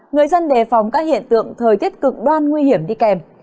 người dân đề phòng các hiện tượng thời tiết cực đoan nguy hiểm đi kèm